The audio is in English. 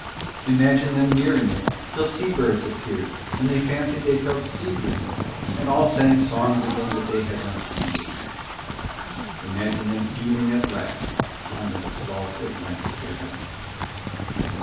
Imagine them nearing it till sea birds appeared and they fancied they felt sea breezes and all sang songs again that they had not sung for weeks. Imagine them heaving at last on the salt Atlantic again.